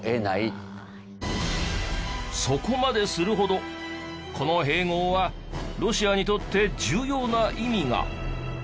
そこまでするほどこの併合はロシアにとって重要な意味が。